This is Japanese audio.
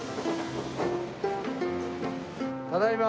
ただいま。